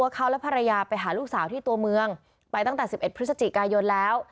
เขาและภรรยาไปหาลูกสาวที่ตัวเมืองไปตั้งแต่๑๑พฤศจิกายนแล้ว